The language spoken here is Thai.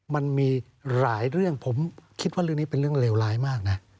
มันมีหลายเรื่องผมคิดว่าเรื่องนี้เป็นเรื่องเลวร้ายมากนะ